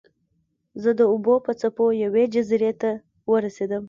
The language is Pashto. زه د اوبو په څپو یوې جزیرې ته ورسیدم.